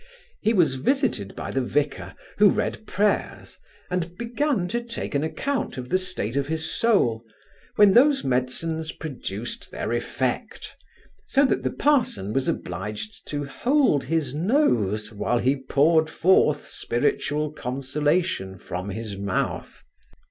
He was visited by the vicar, who read prayers, and began to take an account of the state of his soul, when those medicines produced their effect; so that the parson was obliged to hold his nose while he poured forth spiritual consolation from his mouth.